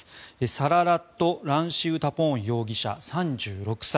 サララット・ランシウタポーン容疑者３６歳。